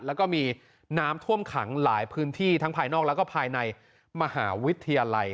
แล้วก็มีน้ำท่วมขังหลายพื้นที่ทั้งภายนอกแล้วก็ภายในมหาวิทยาลัย